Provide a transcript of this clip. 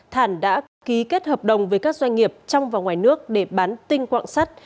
thản đã ký kết hợp đồng với các doanh nghiệp trong và ngoài nước để bán tinh quạng sắt